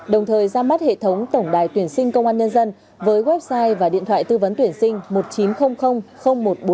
đồng thời ra mắt hệ thống tổng đài tuyển sinh công an nhân dân với website và điện thoại tư vấn tuyển sinh một nghìn chín trăm linh một trăm bốn mươi năm